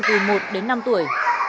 tùy một đến năm tuổi